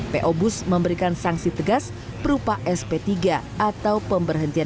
po bus memberikan sanksi tegas berupa sp tiga atau pemberhentian